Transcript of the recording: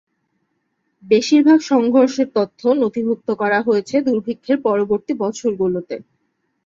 বেশির ভাগ সংঘর্ষের তথ্য নথিভুক্ত করা হয়েছে দুর্ভিক্ষের পরবর্তী বছরগুলোতে।